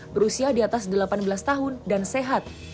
berusia di atas delapan belas tahun dan sehat